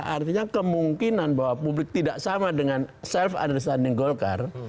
artinya kemungkinan bahwa publik tidak sama dengan self understanding golkar